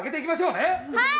はい！